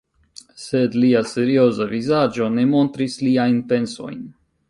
Sed lia serioza vizaĝo ne montris liajn pensojn.